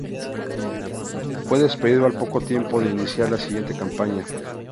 Fue despedido al poco tiempo de iniciar la siguiente campaña.